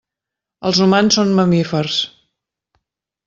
Els humans són mamífers.